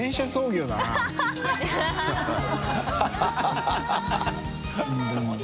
ハハハ